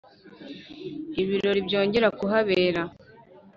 ibirori byongera kuhabera